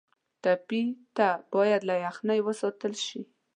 ټپي ته باید له یخنۍ وساتل شي.